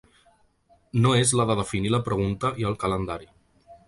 No és la de definir la pregunta i el calendari.